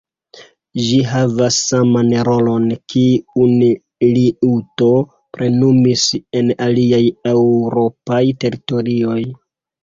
Ĝi havis saman rolon kiun liuto plenumis en aliaj eŭropaj teritorioj.